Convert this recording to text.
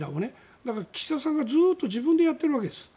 だから岸田さんがずっと自分でやっているわけです。